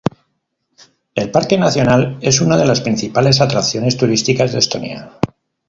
El parque nacional es una de las principales atracciones turísticas de Estonia.